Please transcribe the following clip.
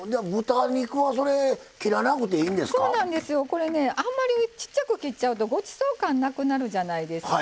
これねあんまりちっちゃく切っちゃうとごちそう感なくなるじゃないですか。